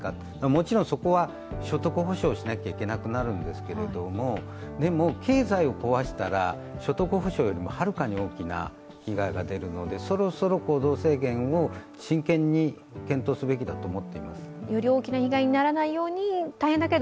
もちろんそこは所得保障をしなきゃいけなくなるんですけどでも、経済を壊したら所得補償よりもはるかに大きな被害が出るのでそろそろ行動制限を真剣に検討すべきだと思います。